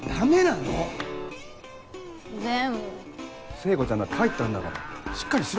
聖子ちゃんだって入ったんだからしっかりしろ。